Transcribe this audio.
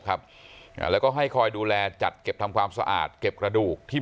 ครับอ่าแล้วก็ให้คอยดูแลจัดเก็บทำความสะอาดเก็บกระดูกที่